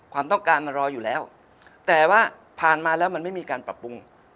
ความต้องการมันรออยู่แล้วแต่ว่าผ่านมาแล้วมันไม่มีการปรับปรุง